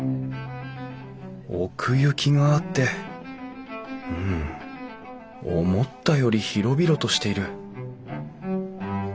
奥行きがあってうん思ったより広々としている